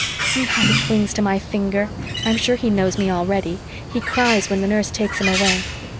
"See how he clings to my finger. I'm sure he knows me already. He cries when the nurse takes him away.